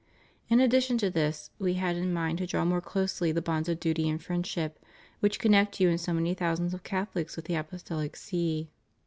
In addition to this We had in mind to draw more closely the bonds of duty and friendship which connect you and so many thousands of Catholics with the Apostolic See.